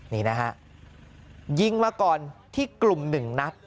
นี่นะฮะยิงมาก่อนที่กลุ่มหนึ่งนัด